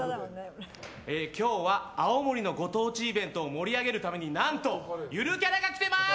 今日は青森のご当地イベントを盛り上げるために、何とゆるキャラが来てます！